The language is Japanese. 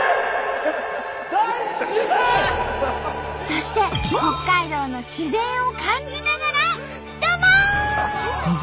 そして北海道の自然を感じながらドボン！